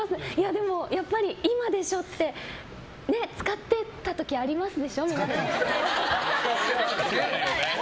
でも、やっぱり今でしょ！って使ってた時ありますでしょ、皆さん。